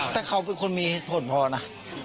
แต่เขาเป็นคนมีเหตุผลพอนะ